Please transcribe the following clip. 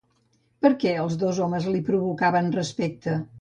Per què els dos homes li provocaven respecte?